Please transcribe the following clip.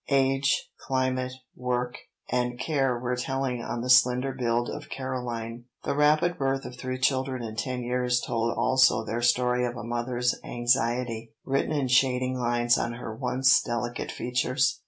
Age, climate, work, and care were telling on the slender build of Caroline. The rapid birth of three children in ten years told also their story of a mother's anxiety, written in shading lines on her once delicate features.